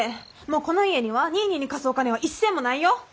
もうこの家にはニーニーに貸すお金は一銭もないよ！